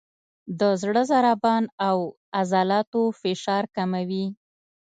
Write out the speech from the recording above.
د زړه ضربان او عضلاتو فشار کموي،